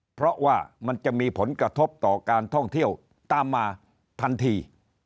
เพราะว่ามันจะมีผลกระทบต่อการท่องเที่ยวตามมาทันที